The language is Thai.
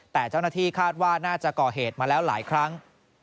แต่เจ้าหน้าที่คาดว่าน่าจะก่อเหตุมาแล้วหลายครั้ง